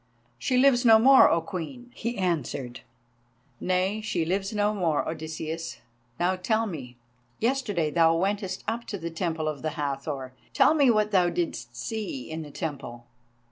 "She lives no more, O Queen!" he answered. "Nay, she lives no more, Odysseus. Now tell me; yesterday thou wentest up to the Temple of the Hathor; tell me what thou didst see in the temple."